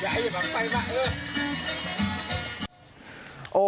อย่าให้มันไปมาเออ